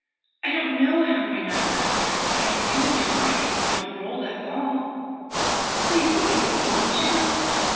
"I don't know how my knife got there, but I do know I didn't help roll that ball. Please believe me; won't you?"